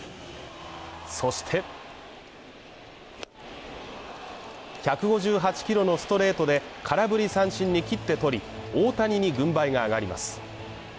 そして１５８キロのストレートで空振り三振に斬って取り、大谷に軍配が上がります。